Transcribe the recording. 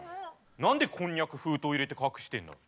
何でこんにゃく封筒入れて隠してんだよ。